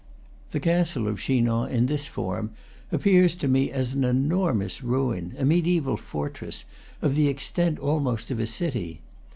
The castle of Chinon in this form appears to me as an enormous ruin, a mediaeval fortress, of the extent almost of a city.